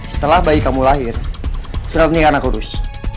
setelah bayi kamu lahir suratnya anak kudus